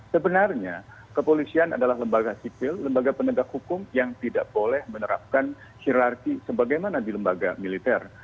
sebenarnya kepolisian adalah lembaga sipil lembaga penegak hukum yang tidak boleh menerapkan hirarki sebagaimana di lembaga militer